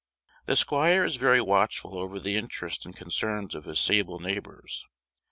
The squire is very watchful over the interests and concerns of his sable neighbours.